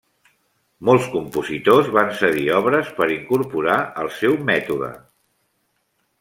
Molts compositors van cedir obres per incorporar al seu mètode.